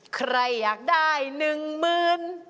ใครอยากได้หนึ่งหมื่น